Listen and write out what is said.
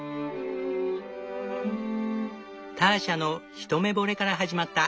ターシャの一目惚れから始まった。